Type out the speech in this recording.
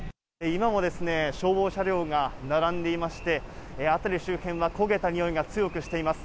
今も消防車両が並んでいまして、辺り周辺は焦げた臭いが強くしています。